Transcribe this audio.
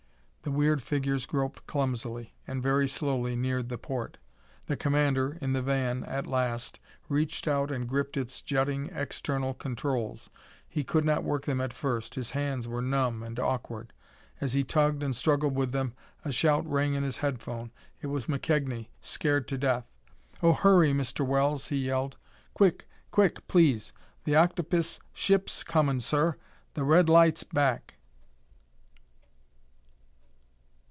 The weird figures groped clumsily, and very slowly neared the port. The commander, in the van, at last reached out and gripped its jutting external controls. He could not work them at first: his hands were numb and awkward. As he tugged and struggled with them a shout rang in his headphone. It was McKegnie, scared to death. "Oh, hurry, Mr. Wells!" he yelled. "Quick! Quick, please! The octopis ship's comin', sir! The red light's back!"